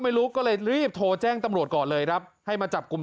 ไม่รู้ก็เลยรีบโทรแจ้งตำรวจก่อนเลยครับให้มาจับกลุ่ม